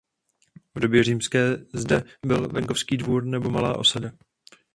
V době římské zde byl venkovský dvůr nebo malá osada.